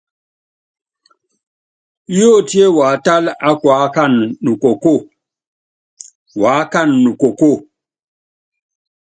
Yótíe watála ákuákana nukokóo, uákana nukokóo.